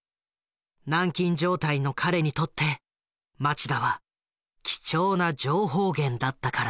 軟禁状態の彼にとって町田は貴重な情報源だったからだ。